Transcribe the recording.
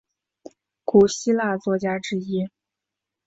古希腊作家之一。